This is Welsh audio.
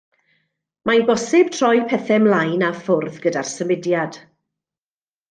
Mae'n bosib troi pethau mlaen a ffwrdd gyda'r symudiad.